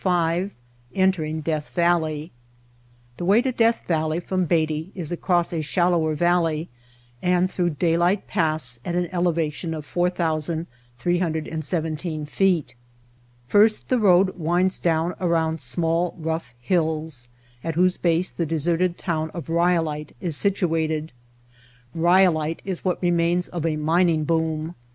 / Entering Death Valley THE way to Death Valley from Beatty is across a shallower valley and through Daylight Pass at an elevation of 4,317 feet. First the road winds down around small, rough hills, at whose base the deserted town of Ryolite is situated, Ryolite is what remains of a mining boom.